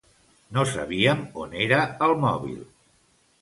No sabíem on era el mòbil.